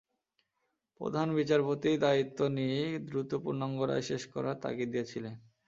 প্রধান বিচারপতি দায়িত্ব নিয়েই দ্রুত পূর্ণাঙ্গ রায় শেষ করার তাগিদ দিয়েছিলেন।